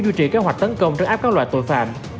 du trì kế hoạch tấn công trước áp các loại tội phạm